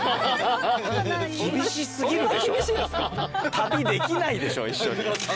旅できないでしょ一緒に。